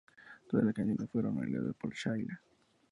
Todas las canciones fueron arregladas por Shaila.